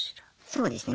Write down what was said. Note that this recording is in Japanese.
そうですね。